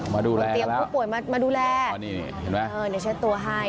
มาดูแลเตรียมผู้ป่วยมามาดูแลนี่เห็นไหมเออเดี๋ยวเช็ดตัวให้